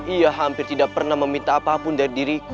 ia hampir tidak pernah meminta apapun dari diriku